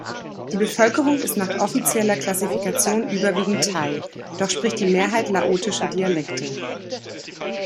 Die Bevölkerung ist nach offizieller Klassifikation überwiegend Thai, doch spricht die Mehrheit laotische Dialekte.